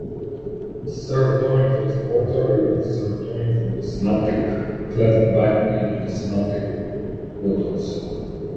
The serotonin transporter removes serotonin from the synaptic cleft back into the synaptic boutons.